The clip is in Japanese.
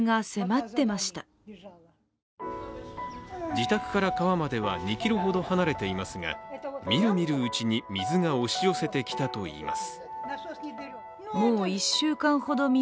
自宅から川まで２ｋｍほど離れていますが、みるみるうちに、水が押し寄せてきたといいます。